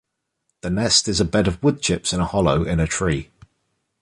The nest is a bed of wood chips in a hollow in a tree.